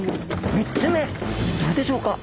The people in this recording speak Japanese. ３つ目どうでしょうか？